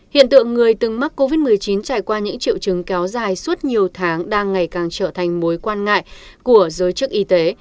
hiện tượng người từng mắc covid một mươi chín trải qua những triệu chứng kéo dài suốt nhiều tháng đang ngày càng trở thành mối quan ngại của giới chức y tế